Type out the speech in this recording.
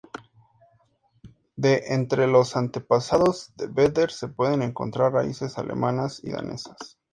De entre los antepasados de Vedder se pueden encontrar raíces alemanas y danesas.